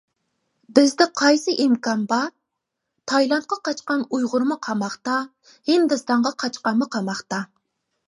بىزدە قايسى ئىمكان بار؟ تايلاندقا قاچقان ئۇيغۇرمۇ قاماقتا، ھىندىستانغا قاچقانمۇ قاماقتا.